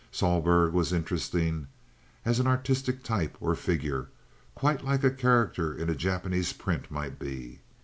Sohlberg was interesting as an artistic type or figure—quite like a character in a Japanese print might be.